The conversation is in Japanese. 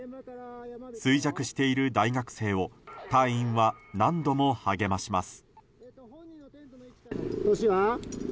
衰弱している大学生を隊員は何度も励まします。